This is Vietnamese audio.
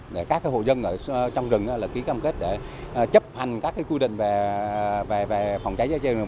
để các hồ dân ở trong rừng ký cam kết để chấp hành các quy định về phòng cháy cháy rừng